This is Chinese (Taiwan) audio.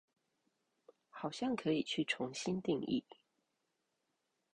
好像可以去重新定義